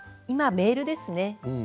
今はメールですね。